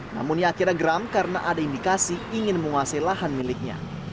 namun ia akhirnya geram karena ada indikasi ingin menguasai lahan miliknya